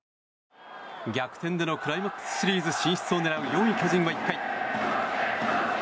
逆転でのクライマックスシリーズ進出を狙う４位、巨人は１回。